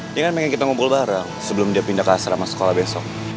ini kan pengen kita ngumpul bareng sebelum dia pindah ke asrama sekolah besok